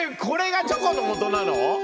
これがチョコのもとなの？